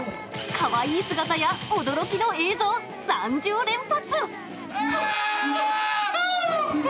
かわいい姿や驚きの映像３０連発！